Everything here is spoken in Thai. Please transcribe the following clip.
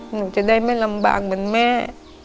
หนูจะได้ไม่ลำบากเหมือนแม่